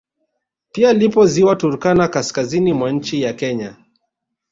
Pia lipo ziwa Turkana kaskazini mwa nchi ya Kenya